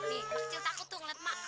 nih pak cinta aku tuh ngeliat mak